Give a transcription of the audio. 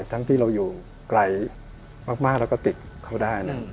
ที่เราอยู่ไกลมากแล้วก็ติดเขาได้